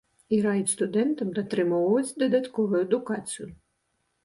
І раіць студэнтам атрымоўваць дадатковую адукацыю.